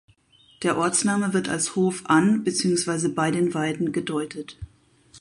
Der Ortsname wird als Hof an beziehungsweise „bei den Weiden“ gedeutet.